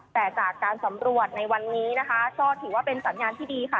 แต่จากการสำรวจในวันนี้นะคะก็ถือว่าเป็นสัญญาณที่ดีค่ะ